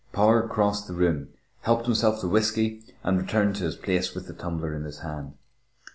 Power crossed the room, helped himself to whisky, and returned to his place with the tumbler in his hand.